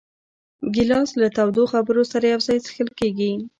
ګیلاس له تودو خبرو سره یو ځای څښل کېږي.